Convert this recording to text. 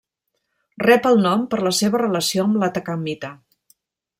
Rep el nom per la seva relació amb l'atacamita.